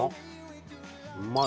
うまい。